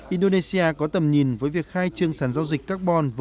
indonesia có tầm nhìn với việc khai trương sản giao dịch carbon